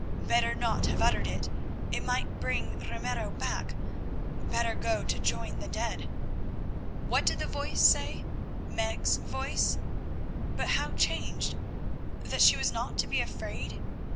Better not have uttered it, it might bring Ramiro back; better go to join the dead. What did the voice say, Meg's voice, but how changed? That she was not to be afraid?